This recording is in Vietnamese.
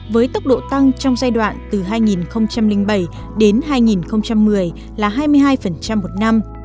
với tốc độ tăng trong giai đoạn từ hai nghìn bảy đến hai nghìn một mươi là hai mươi hai một năm